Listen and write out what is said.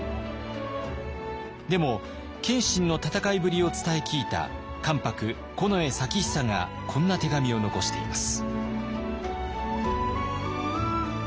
でも謙信の戦いぶりを伝え聞いた関白近衛前久がこんな手紙を残しています。